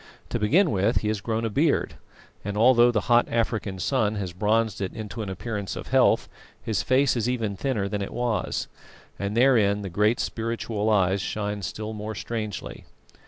To begin with, he has grown a beard, and although the hot African sun has bronzed it into an appearance of health, his face is even thinner than it was, and therein the great spiritual eyes shine still more strangely.